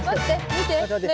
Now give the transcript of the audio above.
見て。